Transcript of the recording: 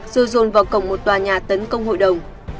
rồi dồn vào cổng một tòa nhà tấn công hội đồng